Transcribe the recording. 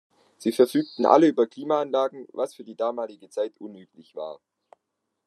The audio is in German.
Sie verfügten alle über Klimaanlagen, was für die damalige Zeit unüblich war.